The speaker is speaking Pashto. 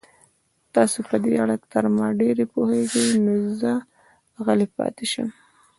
تاسو په دې اړه تر ما ډېر پوهېږئ، نو زه غلی پاتې شم.